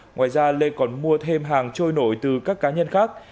ngoài ra lê còn mua thêm hàng trôi nổi từ các cá nhân khác